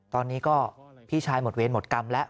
ตอนนี้ก็พี่ชายหมดเวรหมดกรรมแล้ว